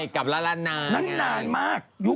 กับล้านนานนานมาก